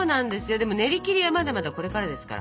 でもねりきりはまだまだこれからですから。